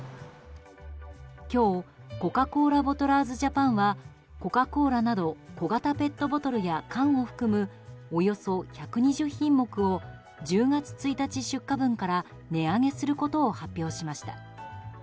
今日、コカ・コーラボトラーズジャパンはコカ・コーラなど小型ペットボトルや缶を含むおよそ１２０品目を１０月１日出荷分から値上げすることを発表しました。